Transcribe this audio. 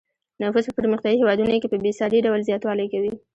نفوس په پرمختیايي هېوادونو کې په بې ساري ډول زیاتوالی کوي.